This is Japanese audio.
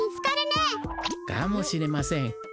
かもしれません。